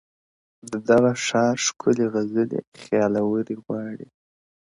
د دغه ښار ښکلي غزلي خیالوري غواړي’